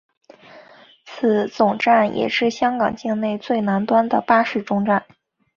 此总站也是香港境内最南端的巴士终站。